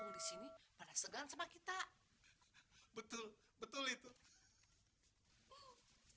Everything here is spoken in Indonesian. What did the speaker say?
disini pada segala kita betul betul itu